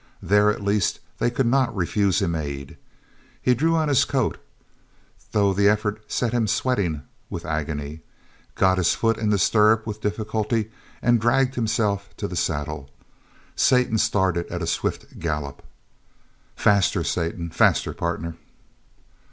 There, at least, they could not refuse him aid. He drew on his coat, though the effort set him sweating with agony, got his foot in the stirrup with difficulty, and dragged himself to the saddle. Satan started at a swift gallop. "Faster, Satan! Faster, partner!"